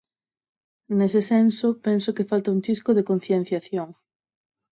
Nese senso, penso que falta un chisco de concienciación.